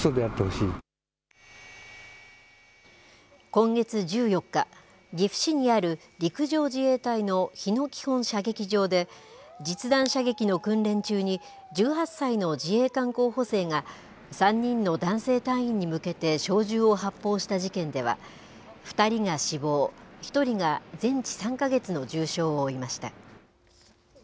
今月１４日、岐阜市にある陸上自衛隊の日野基本射撃場で、実弾射撃の訓練中に、１８歳の自衛官候補生が、３人の男性隊員に向けて小銃を発砲した事件では、２人が死亡、１人が全治３か月の重傷を負いました。